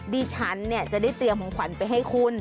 ดิฉันเนี่ยจะได้เตรียมของขวัญไปให้คุณ